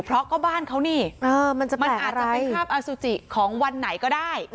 เพราะก็บ้านเขานี่มันอาจจะเป็นภาพอสุจิของวันไหนก็ได้